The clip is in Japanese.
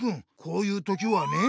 こういう時はね